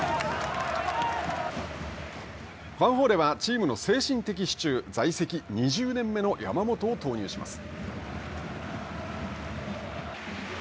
ヴァンフォーレはチームの精神的支柱、在籍２０年目の山本を投入します。